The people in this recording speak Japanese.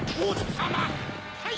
はい！